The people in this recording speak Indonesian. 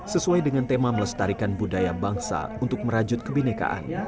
sesuai dengan tema melestarikan budaya bangsa untuk merajut kebinekaan